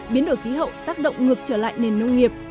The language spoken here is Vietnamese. biến đổi khí hậu tác động ngược trở lại nền nông nghiệp